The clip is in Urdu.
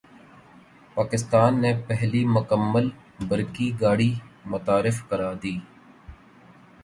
پاکستان نے پہلی مکمل برقی گاڑی متعارف کرادی